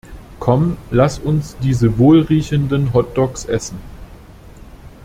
Komm, lass uns diese wohl riechenden Hotdogs essen!